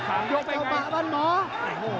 ไอ้เจ้าบ่าวันหมอ